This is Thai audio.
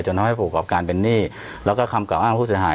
น้อยให้ผู้ประกอบการเป็นหนี้แล้วก็คำกล่าอ้างผู้เสียหาย